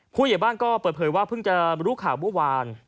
ผู้ใหญ่บ้านก็เปิดเผยว่าเพิ่งจะรู้ข่าวเมื่อวาน